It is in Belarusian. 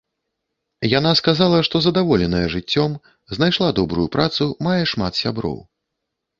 Яна казала, што задаволеная жыццём, знайшла добрую працу, мае шмат сяброў.